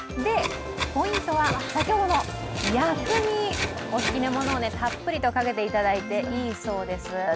ポイントは、先ほどの薬味お好きなものをたっぷりとかけていいそうです。